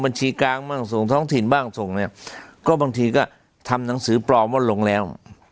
บัญชีกลางบ้างส่งท้องถิ่นบ้างส่งเนี่ยก็บางทีก็ทำหนังสือปลอมว่าลงแล้ว